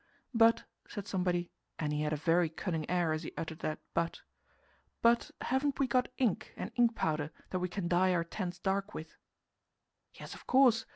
"But," said somebody and he had a very cunning air as he uttered that "but" "but haven't we got ink and ink powder that we can dye our tents dark with?" Yes, of course!